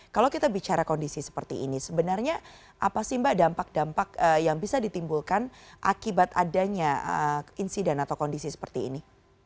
kalau kita bicara kondisi seperti ini sebenarnya apa sih mbak dampak dampak yang bisa ditimbulkan akibat adanya insiden atau kondisi seperti ini